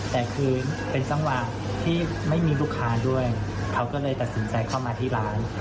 แต่คือเป็นจังหวะที่ไม่มีลูกค้าด้วยเขาก็เลยตัดสินใจเข้ามาที่ร้าน